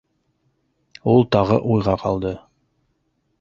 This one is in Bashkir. — Ул тағы уйға ҡалды.